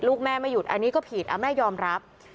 ลูกแม่ไม่หยุดอันนี้ก็ผิดแม่ยอมรับ